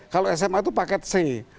kalau sma itu paket c